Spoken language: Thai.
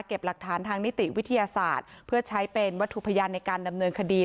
หลักฐานทางนิติวิทยาศาสตร์เพื่อใช้เป็นวัตถุพยานในการดำเนินคดี